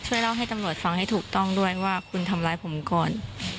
เล่าให้ตำรวจฟังให้ถูกต้องด้วยว่าคุณทำร้ายผมก่อน